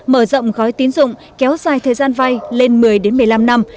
mở rộng gói tín dụng kéo dài thời gian vay lên một mươi một mươi năm năm